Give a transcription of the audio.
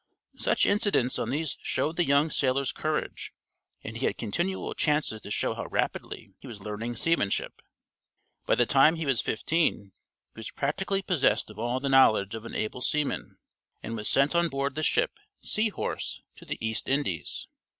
Such incidents as these showed the young sailor's courage, and he had continual chances to show how rapidly he was learning seamanship. By the time he was fifteen he was practically possessed of all the knowledge of an able seaman, and was sent on board the ship Sea Horse to the East Indies.